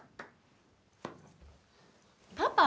パパ？